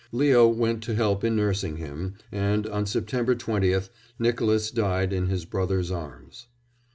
Leo went to help in nursing him, and, on September 20th, Nicolas died in his brother's arms.